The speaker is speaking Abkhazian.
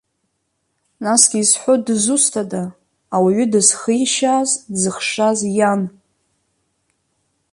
Насгьы изҳәо дызусҭада, ауаҩы дызхишьааз, дзыхшаз иан!